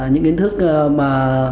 những kiến thức mà